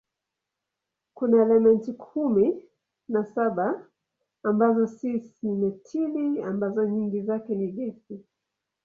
Kuna elementi kumi na saba ambazo ni simetili ambazo nyingi zake ni gesi.